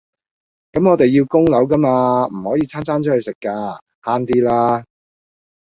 咁我哋要供樓㗎嘛，唔可以餐餐出去食㗎，慳啲啦